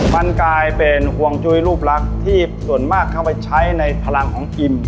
มันกลายเป็นห่วงจุ้ยรูปลักษณ์ที่ส่วนมากเข้าไปใช้ในพลังของอิม